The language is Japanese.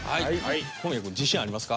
小宮君自信ありますか？